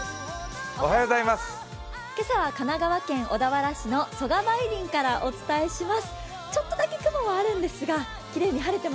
今朝は神奈川県小田原市の曽我梅林からお伝えします。